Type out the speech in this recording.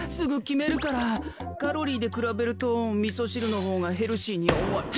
カロリーでくらべるとみそしるのほうがヘルシーに。